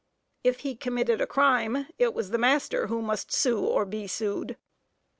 If he committed a crime, it was the master who must sue or be sued.